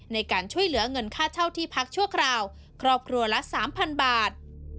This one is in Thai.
ในการช่วยเหลือเงินค่าเช่าที่พักชั่วคราวครอบครัวละ๓๐๐๐บาท